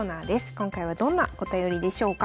今回はどんなお便りでしょうか。